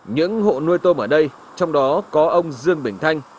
những hộ nuôi tôm ở đây trong đó có ông dương bình thanh